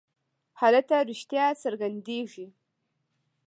هلته رښتیا څرګندېږي.